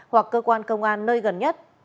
hoặc cơ quan công an nơi gần nhất